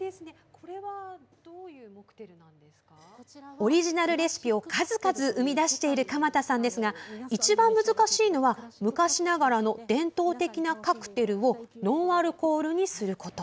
オリジナルレシピを数々生み出している鎌田さんですが一番難しいのは昔ながらの伝統的なカクテルをノンアルコールにすること。